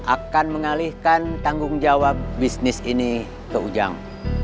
akan mengalihkan tanggung jawab bisnis ini ke ujang